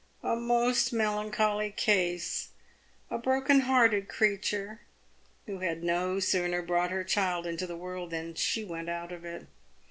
" A most melancholy case ! A broken hearted creature, who had no sooner brought her child into the world than she went out of it.